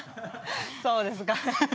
そうですかね。